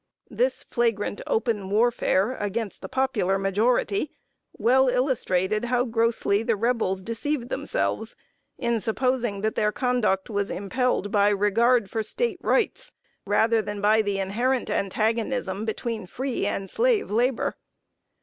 This flagrant, open warfare against the popular majority, well illustrated how grossly the Rebels deceived themselves in supposing that their conduct was impelled by regard for State Rights, rather than by the inherent antagonism between free and slave labor.